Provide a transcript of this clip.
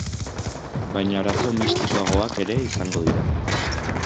Baina arazo mistikoagoak ere izango dira.